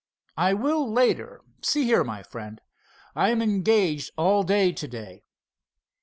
"I will, later. See here, my friend, I am engaged all day to day."